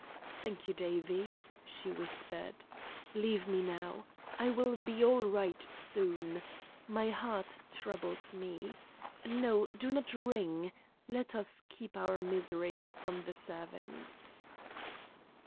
"Thank you, Davie," she whispered. "Leave me now. I will be all right soon. My heart troubles me. No. Do not ring. Let us keep our miseries from the servants."